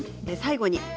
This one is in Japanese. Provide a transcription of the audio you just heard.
最後に。